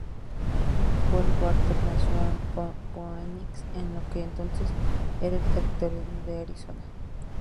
Goldwater nació en Phoenix, en lo que entonces era el Territorio de Arizona.